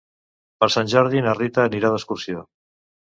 Per Sant Jordi na Rita anirà d'excursió.